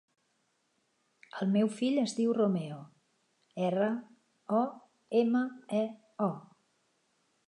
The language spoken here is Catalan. El meu fill es diu Romeo: erra, o, ema, e, o.